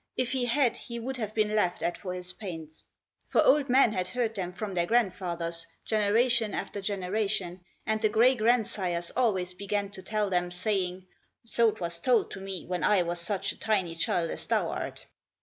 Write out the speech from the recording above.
If he had he would have been laughed at for his pains. For old men had heard them from their grandfathers, generation after genera tion, and the gray grandsires always began to tell them, saying: "So 'twas told to me when I was such a tiny child as thou art."